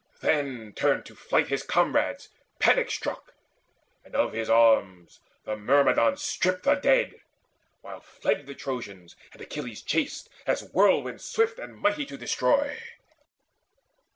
Then turned to flight his comrades panic struck, And of his arms the Myrmidons stripped the dead, While fled the Trojans, and Achilles chased, As whirlwind swift and mighty to destroy.